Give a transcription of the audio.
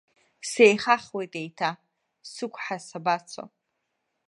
Сеихахуеит еиҭа, сықәҳа сабацо?